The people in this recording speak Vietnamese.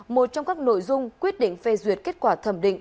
một trong các nội dung quyết định phê duyệt kết quả thẩm định